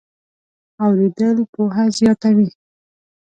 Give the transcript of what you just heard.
اورېدل پوهه زیاتوي.